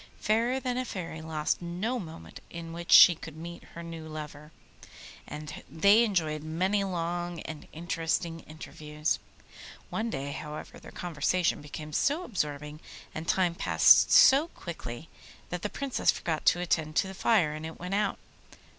Fairer than a Fairy lost no moment in which she could meet her lover, and they enjoyed many long and interesting interviews. One day, however, their conversation became so absorbing and time passed so quickly that the Princess forgot to attend to the fire, and it went out.